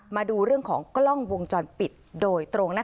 มาดูเรื่องของกล้องวงจรปิดโดยตรง